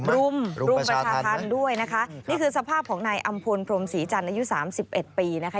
รุมรุมประชาธรรมด้วยนะคะนี่คือสภาพของนายอำพลพรมศรีจันทร์อายุสามสิบเอ็ดปีนะคะ